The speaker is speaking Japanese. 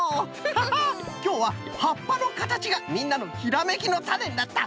ハハッきょうははっぱのかたちがみんなのひらめきのタネになった。